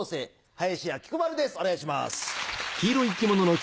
林家菊丸ですお願いします。